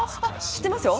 知ってますよ。